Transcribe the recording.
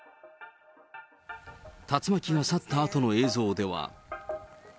竜巻が去ったあとの映像では。